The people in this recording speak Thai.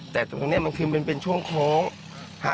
แต่ตรงตรงเนี้ยมันคือเป็นเป็นช่วงโค้งฮะ